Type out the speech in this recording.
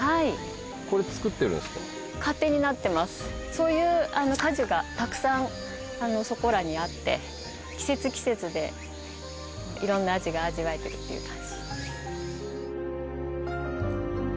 そういう果樹がたくさんそこらにあって季節季節でいろんな味が味わえてるっていう感じです。